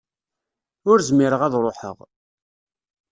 Ur zmireɣ ad ruḥeɣ.